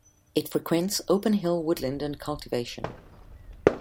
It frequents open hill woodland and cultivation.